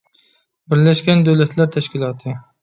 بىرلەشكەن دۆلەتلەر تەشكىلاتى